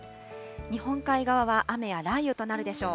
日本海側は雨や雷雨となるでしょう。